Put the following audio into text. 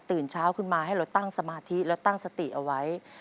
เช้าขึ้นมาให้เราตั้งสมาธิแล้วตั้งสติเอาไว้